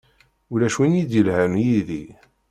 Ulac win i d-yelhan yid-i.